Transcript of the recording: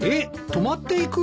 泊まっていく？